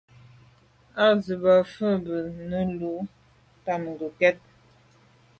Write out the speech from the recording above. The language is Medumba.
Á rə̌ bā mfū zə̄ bú fí nə̌ lǔ’ tɑ̂mə̀ ngokɛ́t.